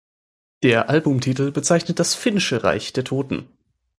Der Albumtitel bezeichnet das finnische Reich der Toten.